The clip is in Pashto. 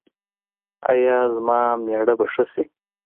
ایا زما میړه به ښه شي؟